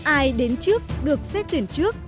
ai đến trước được xét tuyển trước